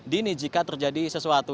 dini jika terjadi sesuatu